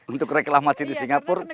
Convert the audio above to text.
untuk reklamasi di singapura